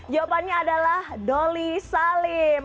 jawabannya adalah doli salim